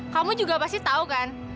kamu juga pasti tahu kan